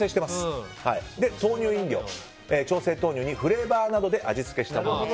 豆乳飲料は調整豆乳にフレーバーなどで味付けしたもの。